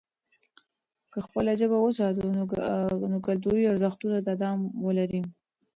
که خپله ژبه وساتو، نو کلتوري ارزښتونه تداوم لري.